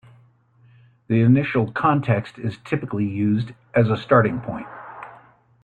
The initial context is typically used as a starting point.